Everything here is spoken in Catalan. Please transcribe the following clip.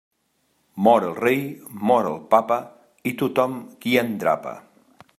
Mor el rei, mor el papa, i tothom qui endrapa.